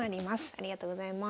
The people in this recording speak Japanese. ありがとうございます。